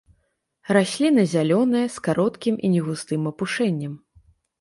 Расліна зялёная, з кароткім і негустым апушэннем.